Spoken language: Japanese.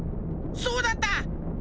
そうだった！